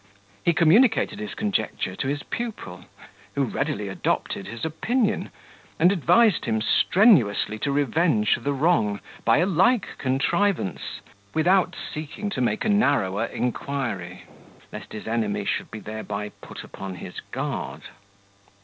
He communicated his conjecture to his pupil, who readily adopted his opinion, and advised him strenuously to revenge the wrong by a like contrivance, without seeking to make a narrower inquiry, lest his enemy should be thereby put upon his guard.